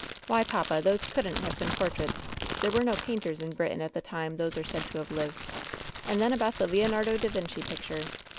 Why, papa, those couldn^t have been portraits 1 There were no painters in Britain at the time those are said to have lived. And then about the Leonardo da Vinci picture